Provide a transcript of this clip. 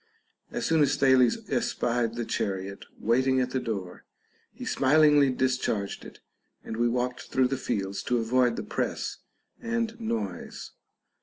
As soon as Thales espied the chariot waiting at the door, he smilingly discharged it, and Ave walked through the fields to avoid the press and noise.